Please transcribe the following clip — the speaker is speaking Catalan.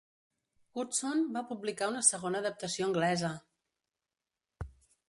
Gutsoon va publicar una segona adaptació anglesa!